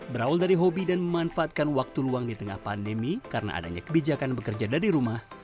berawal dari hobi dan memanfaatkan waktu luang di tengah pandemi karena adanya kebijakan bekerja dari rumah